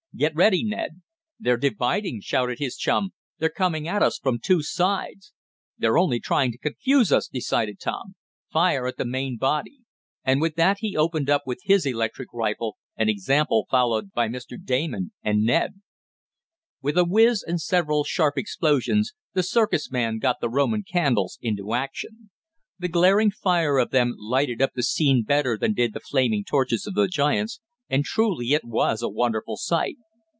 Get ready, Ned!" "They're dividing!" shouted his chum. "They're coming at us from two sides!" "They're only trying to confuse us," decided Tom. "Fire at the main body!" And with that he opened up with his electric rifle, an example followed by Mr. Damon and Ned. With a whizz, and several sharp explosions, the circus man got the Roman candles into action. The glaring fire of them lighted up the scene better than did the flaming torches of the giants, and truly it was a wonderful sight.